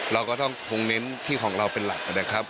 เราก็ต้องคงเน้นที่ของเราเป็นหลักนะครับ